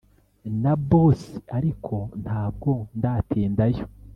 na boss ariko ntabwo ndatindayo,